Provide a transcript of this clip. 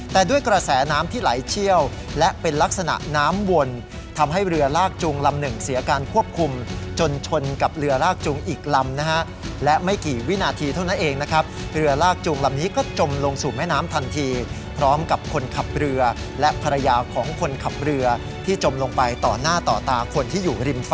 แต่ด้วยกระแสน้ำที่ไหลเชี่ยวและเป็นลักษณะน้ำวนทำให้เรือลากจูงลำหนึ่งเสียการควบคุมจนชนกับเรือลากจูงอีกลำนะฮะและไม่กี่วินาทีเท่านั้นเองนะครับเรือลากจูงลำนี้ก็จมลงสู่แม่น้ำทันทีพร้อมกับคนขับเรือและภรรยาของคนขับเรือที่จมลงไปต่อหน้าต่อตาคนที่อยู่ริม